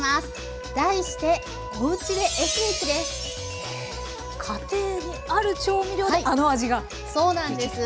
題して家庭にある調味料であの味ができる。